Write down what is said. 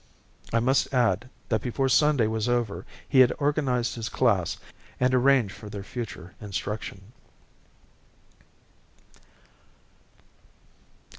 I must add that before Sunday was over he had organized his class and arranged for their future instruction.